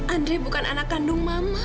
andri bukan anak kandung mama